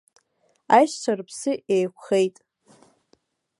Аишьцәа рыԥсы еиқәхеит.